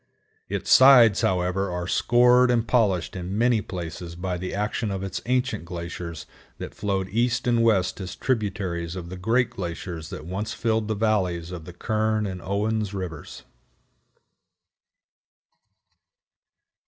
Its sides, however, are scored and polished in many places by the action of its ancient glaciers that flowed east and west as tributaries of the great glaciers that once filled the valleys of the Kern and Owen's rivers.